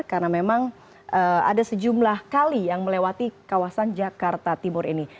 karena memang ada sejumlah kali yang melewati kawasan jakarta timur ini